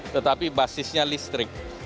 tetapi basisnya listrik